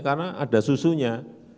karena ada susunya